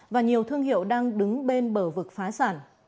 và nhiều thương hiệu đang đứng bên bờ vực phá sản